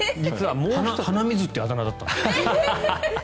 鼻水っていうあだ名だったんです。